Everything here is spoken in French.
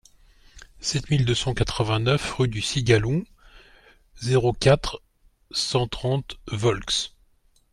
sept mille deux cent quatre-vingt-neuf rue du Cigaloun, zéro quatre, cent trente Volx